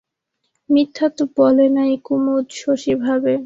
মিথ্যা তো বলে নাই কুমুদ, শশী ভাবে।